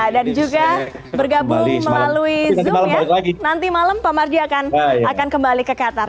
dan juga bergabung melalui zoom ya nanti malam pak marji akan kembali ke qatar